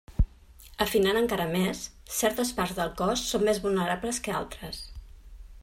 Afinant encara més, certes parts del cos són més vulnerables que altres.